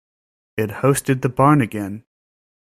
It hosted the Barn Again!